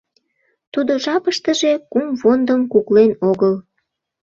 Тудо жапыштыже кум вондым куклен огыл…